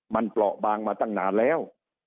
มันเปราะบางมาตั้งนานแล้ว